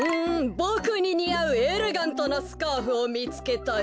ボクににあうエレガントなスカーフをみつけたよ。